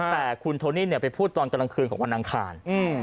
แต่คุณโทนี่ไปพูดตอนกลางคืนของวันอังคาร